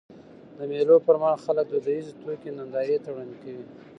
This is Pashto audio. د مېلو پر مهال خلک دودیزي توکي نندارې ته وړاندي کوي.